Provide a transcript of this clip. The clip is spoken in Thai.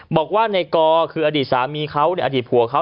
บอกว่าในกอคืออดีตสามีเขาในอดีตผัวเขา